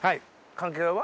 関係は？